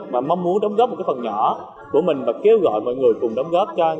và mong muốn đóng góp một cái phần nhỏ của mình và kêu gọi mọi người cùng đóng góp